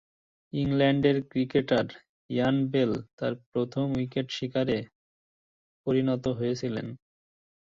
ইংল্যান্ডের cricketer Ian Bell তার প্রথম উইকেট শিকারে পরিণত হয়েছিলেন।